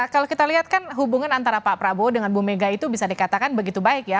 kalau kita lihat kan hubungan antara pak prabowo dengan bu mega itu bisa dikatakan begitu baik ya